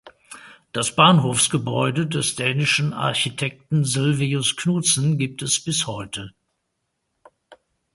Das Bahnhofsgebäude des dänischen Architekten Sylvius Knutzen gibt es bis heute.